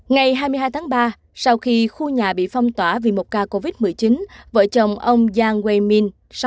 ngày hai mươi hai tháng ba sau khi khu nhà bị phong tỏa vì một ca covid một mươi chín vợ chồng ông giang we min